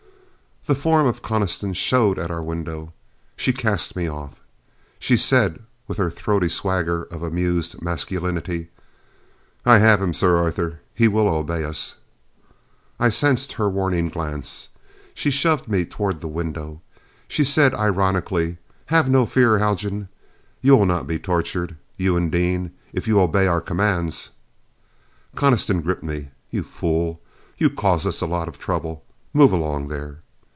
The form of Coniston showed at our window. She cast me off. She said, with her throaty swagger of amused, masculinity: "I have him, Sir Arthur. He will obey us." I sensed her warning glance. She shoved me toward the window. She said ironically, "Have no fear, Haljan. You will not be tortured, you and Dean, if you obey our commands." Coniston gripped me. "You fool! You caused us a lot of trouble. Move along there!"